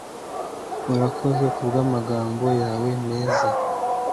Urakoze kubwamagambo yawe meza.